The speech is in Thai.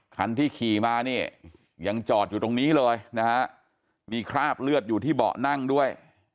คันที่ขี่มาเนี่ยยังจอดอยู่ตรงนี้เลยนะฮะมีคราบเลือดอยู่ที่เบาะนั่งด้วย